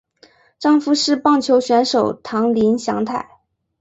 丈夫是棒球选手堂林翔太。